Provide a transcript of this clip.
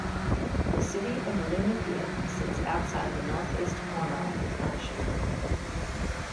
The city of Luna Pier sits outside the northeast corner of the township.